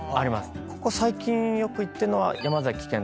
ここ最近よく行ってるのは。